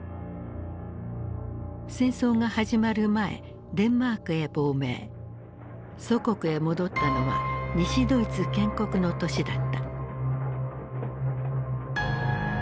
戦争が始まる前祖国へ戻ったのは西ドイツ建国の年だった。